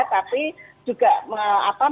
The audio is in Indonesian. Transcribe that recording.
tapi juga melepaskan